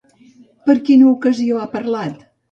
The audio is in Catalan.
Per quina ocasió ha parlat?